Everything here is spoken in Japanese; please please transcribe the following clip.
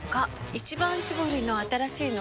「一番搾り」の新しいの？